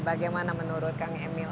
bagaimana menurut kang emil